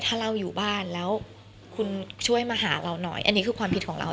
ถ้าเราอยู่บ้านแล้วคุณช่วยมาหาเราหน่อยอันนี้คือความผิดของเรา